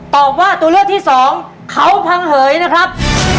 ตอบว่าตัวเลือกที่สองเขาพังเหยนะครับ